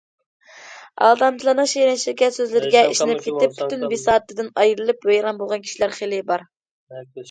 ئالدامچىلارنىڭ شېرىن شېكەر سۆزلىرىگە ئىشىنىپ كېتىپ، پۈتۈن بىساتىدىن ئايرىلىپ، ۋەيران بولغان كىشىلەر خېلى بار.